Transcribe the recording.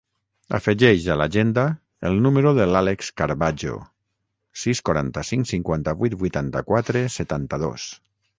Afegeix a l'agenda el número de l'Àlex Carbajo: sis, quaranta-cinc, cinquanta-vuit, vuitanta-quatre, setanta-dos.